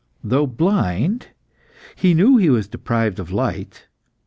Though blind, he knew he was deprived of light.